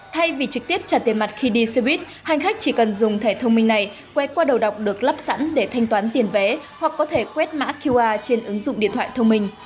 thay vì trực tiếp trả tiền mặt khi đi xe buýt hành khách chỉ cần dùng thẻ thông minh này quét qua đầu đọc được lắp sẵn để thanh toán tiền vé hoặc có thể quét mã qr trên ứng dụng điện thoại thông minh